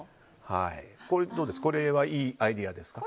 これはいいアイデアですか？